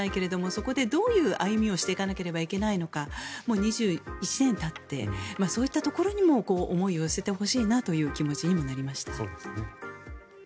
そこで、どういう歩みをしていかなければいけないのか２１年たってそういったところにも思いを寄せてほしいなという気持ちになりました。